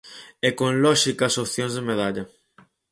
E con lóxicas opcións de medalla.